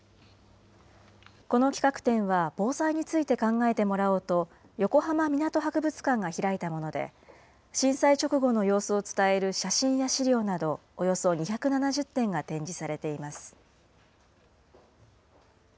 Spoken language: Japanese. この企画展は防災について考えてもらおうと、横浜みなと博物館が開いたもので、震災直後の様子を伝える写真や資料など、およそ２７０点が展示されています。